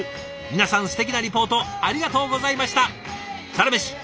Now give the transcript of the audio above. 皆さんすてきなリポートありがとうございました！